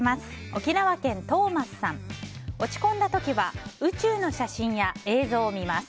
沖縄県の方、落ち込んだ時は宇宙の写真や映像を見ます。